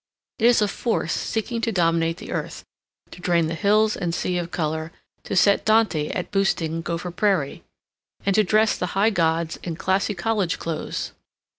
It is a force seeking to dominate the earth, to drain the hills and sea of color, to set Dante at boosting Gopher Prairie, and to dress the high gods in Klassy Kollege Klothes.